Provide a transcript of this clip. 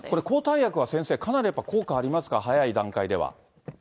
抗体薬は先生、かなり効果ありますか、早い段階では。